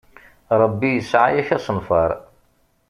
Rebbi yesɛa-ak asenfaṛ.